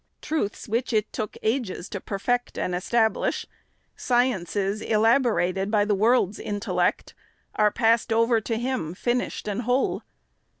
Truths which it took ages to perfect and establish, sciences elaborated by the world's intellect, are passed over to him, finished and whole.